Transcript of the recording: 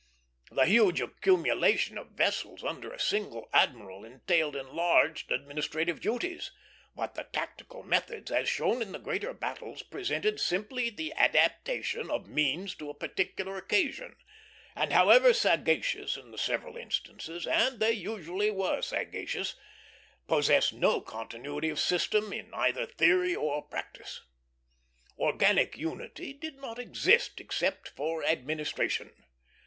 The huge accumulations of vessels under a single admiral entailed enlarged administrative duties; but the tactical methods, as shown in the greater battles, presented simply the adaptation of means to a particular occasion, and, however sagacious in the several instances and they usually were sagacious possessed no continuity of system in either theory or practice. Organic unity did not exist except for administration.